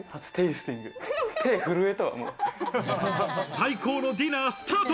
最高のディナー、スタート。